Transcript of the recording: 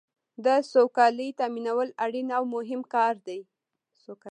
د سوکالۍ تامینول اړین او مهم کار دی.